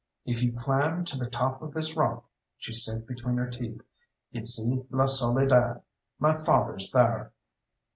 "If you climb to the top of this rock," she said between her teeth, "you'd see La Soledad. My father's thar."